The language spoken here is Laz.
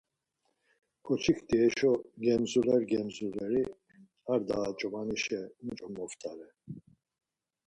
Ǩoçikti heşo gemzuleri gemzuleri; Ar daa ç̌umani-şe muço moptare.